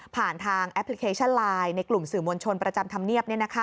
ผ่านทางแอปพลิเคชันไลน์ในกลุ่มสื่อมวลชนประจำธรรมเนียบ